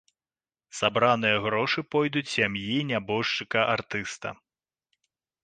Сабраныя грошы пойдуць сям'і нябожчыка артыста.